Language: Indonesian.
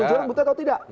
penjualan buta atau tidak